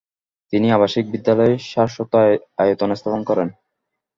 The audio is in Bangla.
তিনি আবাসিক বিদ্যালয় সারস্বত আয়তন স্থাপন করেন।